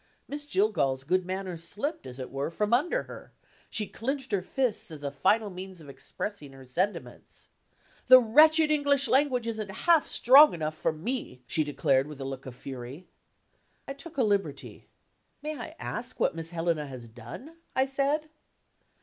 Miss Jillgall's good manners slipped, as it were, from under her; she clinched her fists as a final means of expressing her sentiments. "The wretched English language isn't half strong enough for me," she declared with a look of fury. I took a liberty. "May I ask what Miss Helena has done?" I said.